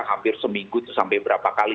hampir seminggu itu sampai berapa kali